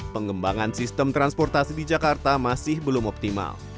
pengembangan sistem transportasi di jakarta masih belum optimal